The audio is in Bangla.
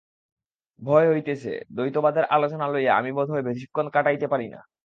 ভয় হইতেছে, দ্বৈতবাদের আলোচনা লইয়া আমি বোধ হয় বেশীক্ষণ কাটাইতে পারি না।